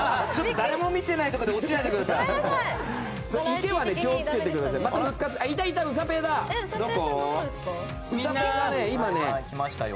誰も見てないところで落ちないでよ！